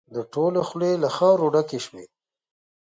د ټولو خولې له خاورو ډکې شوې.